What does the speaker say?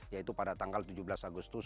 yaitu pada tanggal tujuh belas agustus